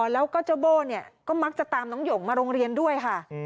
แล้วก็เจ้าโบ้เนี่ยก็มักจะตามน้องหยงมาโรงเรียนด้วยค่ะ